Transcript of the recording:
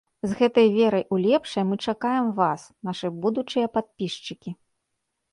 З гэтай верай у лепшае мы чакаем вас, нашы будучыя падпісчыкі!